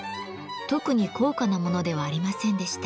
特に高価なものではありませんでした。